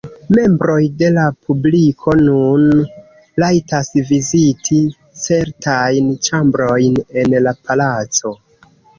Membroj de la publiko nun rajtas viziti certajn ĉambrojn en la palaco.